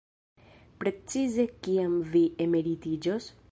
Precize kiam vi emeritiĝos?